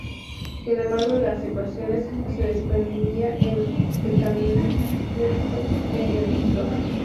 Sin embargo de las ecuaciones se desprendía el decaimiento del protón.